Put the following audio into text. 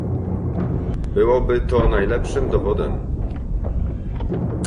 "Byłoby to najlepszym dowodem."